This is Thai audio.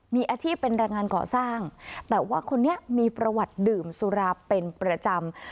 มีอาชีพเป็นแรงงานก่อสร้างแต่ว่าคนนี้มีประวัติดื่มสุราเป็นประจำ